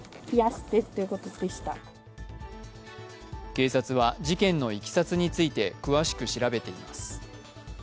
警察は事件のいきさつについて詳しく調べています。